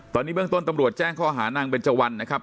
ตอนนี้เบื้องต้นตำรวจแจ้งข้อหานางเบนเจวันนะครับ